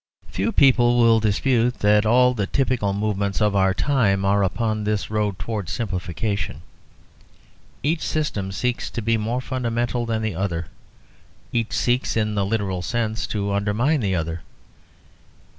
Few people will dispute that all the typical movements of our time are upon this road towards simplification. Each system seeks to be more fundamental than the other; each seeks, in the literal sense, to undermine the other.